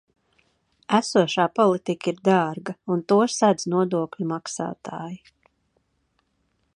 Esošā politika ir dārga, un to sedz nodokļu maksātāji.